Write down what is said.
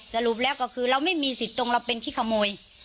สรุปแล้วก็คือเราไม่มีสิทธิ์ตรงเราเป็นขี้ขโมย